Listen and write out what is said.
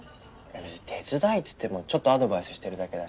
別に手伝いっつってもちょっとアドバイスしてるだけだし。